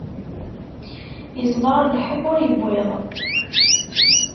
Isḍer lḥebb ur iwwiḍ.